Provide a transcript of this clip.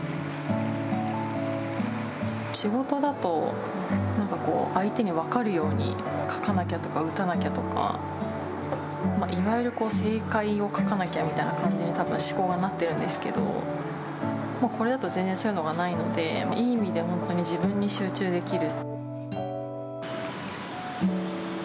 仕事だと、なんかこう相手に分かるように書かなきゃとか打たなきゃとかいわゆる正解を書かなきゃみたいな感じにたぶん思考がなってるんですけどこれだと全然そういうのがないので、いい意味で本当に自分に集中できる。